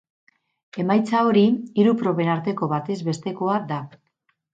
Emaitza hori hiru proben arteko batez bestekoa da.